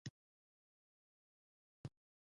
ماشوم مو خبرې کوي؟